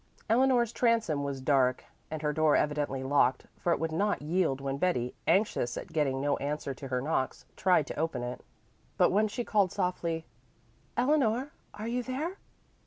Eleanor's transom was dark and her door evidently locked, for it would not yield when Betty, anxious at getting no answer to her knocks, tried to open it. But when she called softly, "Eleanor, are you there?